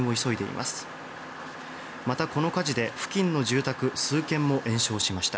また、この火事で付近の住宅数軒も延焼しました。